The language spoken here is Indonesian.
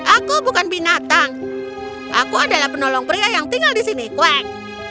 aku bukan binatang aku adalah penolong pria yang tinggal di sini kwek